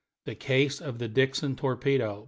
THE CASE OF THE DIXON TORPEDO.